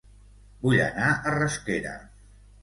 Vull anar a Rasquera